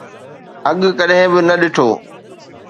اڳ ڪڏهن به نه ڏٺو